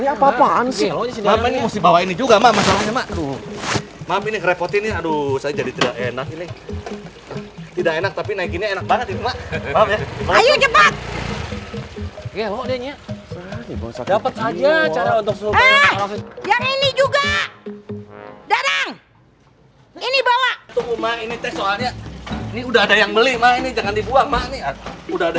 ini bawah rumah ini soalnya ini udah ada yang beli mainnya jangan dibuang maknanya udah ada